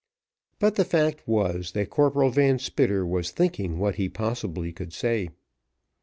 But the fact was, that Corporal Van Spitter was thinking what he possibly could say.